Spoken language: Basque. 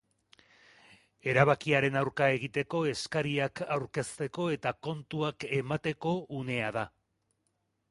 Erabakiaren aurka egiteko eskariak aurkezteko eta kontuak emateko unea da.